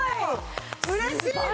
うれしいね。